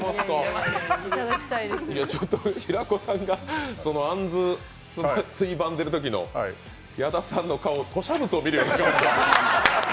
平子さんがあんずをついばんでるときの矢田さんの顔、吐しゃ物を見るみたい。